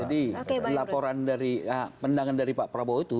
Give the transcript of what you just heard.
laporan dari pendangan dari pak prabowo itu